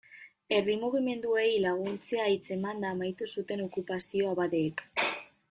Herri mugimenduei laguntzea hitzemanda amaitu zuten okupazioa abadeek.